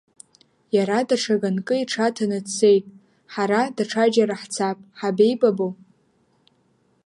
Иара даҽа ганкы иҽаҭаны дцеит, ҳара даҽаџьарала ҳцап, ҳабеибабо?